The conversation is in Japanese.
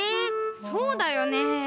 そうだよねえ。